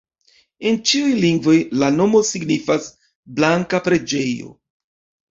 En ĉiuj lingvoj la nomo signifas: blanka preĝejo.